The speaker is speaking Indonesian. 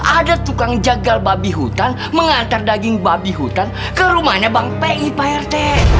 ada tukang jagal babi hutan mengantar daging babi hutan ke rumahnya bang pi pak rt